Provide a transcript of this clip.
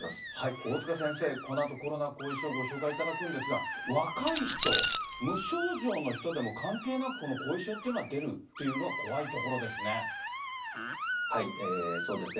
大塚先生、このあとコロナ後遺症、ご紹介いただくんですが、若い人、無症状の人でも、関係なく、この後遺症っていうのは出るというのは怖いところですね。